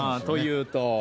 というと？